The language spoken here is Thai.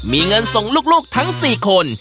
มีเงินส่งลูกทั้ง๔คน